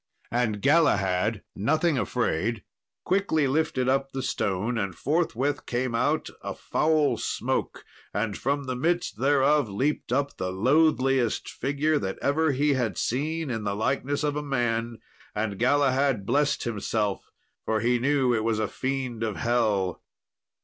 And Galahad, nothing afraid, quickly lifted up the stone, and forthwith came out a foul smoke, and from the midst thereof leaped up the loathliest figure that ever he had seen in the likeness of man; and Galahad blessed himself, for he knew it was a fiend of hell.